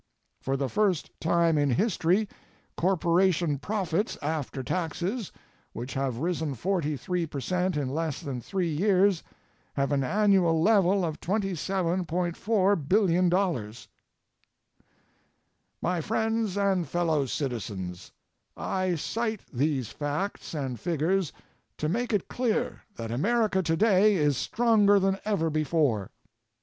For the first time in history corporation profits after taxes ŌĆō which have risen 43 percent in less than 3 years ŌĆō have an annual level of $27.4 billion. My friends and fellow citizens: I cite these facts and figures to make it clear that America today is stronger than ever before.